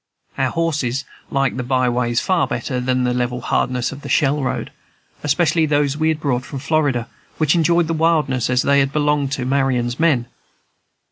Our horses liked the by ways far better than the level hardness of the Shell Road, especially those we had brought from Florida, which enjoyed the wilderness as if they had belonged to Marion's men.